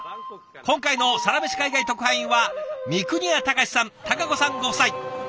今回のサラメシ海外特派員は三国谷貴さん多佳子さんご夫妻。